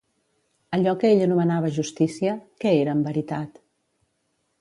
Allò que ell anomenava justícia, què era en veritat?